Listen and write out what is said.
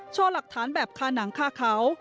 โชว์หลักฐานแบบคาหนังคาเขา